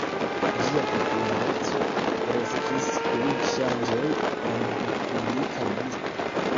Ĝia populareco kreskis kun ŝanĝoj en la publika gusto.